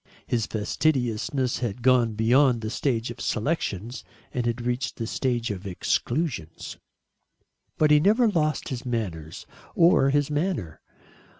His fastidiousness had gone beyond the stage of selections, and had reached the stage of exclusions. But he never lost his manners, or his manner.